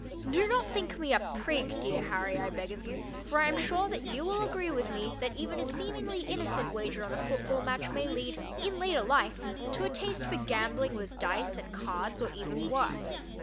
Do not think me a "prig," dear Harry, I beg of you, for I am sure that you will agree with me that even a seemingly innocent wager on a football match may lead in later life to a taste for gambling with dice and cards or even worse.